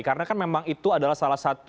karena kan memang itu adalah salah satu